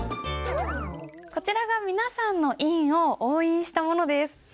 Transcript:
こちらが皆さんの印を押印したものです。